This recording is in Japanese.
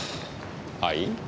はい？